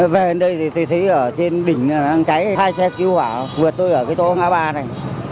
về đây thì tôi thấy ở trên đỉnh cháy hai xe cứu hỏa vượt tôi ở cái tố ngã ba này